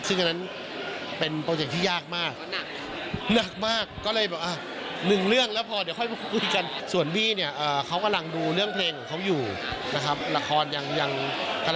ซึ่งกันเป็นโปสิชั่นที่ยากมาก